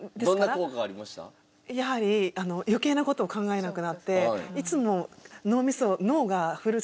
やはり余計な事を考えなくなっていつも脳みそ。